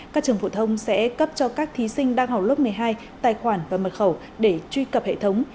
các trường phổ thông sẽ cấp cho các thí sinh đang học lớp một mươi hai tài khoản và mật khẩu để truy cập hệ thống